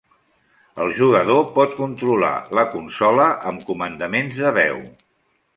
El jugador pot controlar la consola amb comandaments de veu.